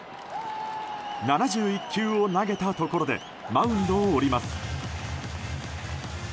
７１球を投げたところでマウンドを降ります。